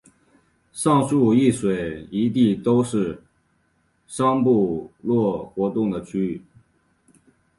上述一水一地都是商部落活动的区域。